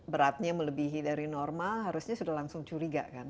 beratnya melebihi dari normal harusnya sudah langsung curiga kan